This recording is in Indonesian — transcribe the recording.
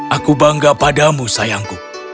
aku bangga padamu sayangku